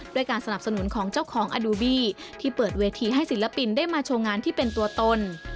การสนับสนุนของเจ้าของอดูบี้ที่เปิดเวทีให้ศิลปินได้มาโชว์งานที่เป็นตัวตน